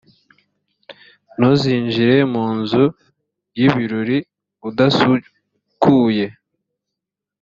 ntuzinjire mu nzu y’ibirori udasukuye